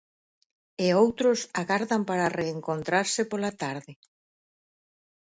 E outros agardan para reencontrarse pola tarde.